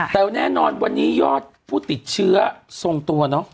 แต่แน่นอนวันนี้ยอดผู้ติดเชื้อทรงตัวเนอะ